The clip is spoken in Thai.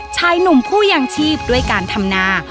ชายหนุ่มผู้ยังชีพด้วยการทำนา